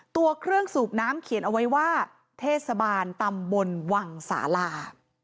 ตัวเครื่องสูบน้ำเขียนเอาไว้ว่าเทศบาลตำบลวังสาลา